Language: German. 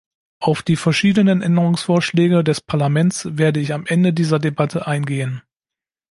Auf die verschiedenen Änderungsvorschläge des Parlaments werde ich am Ende dieser Debatte eingehen.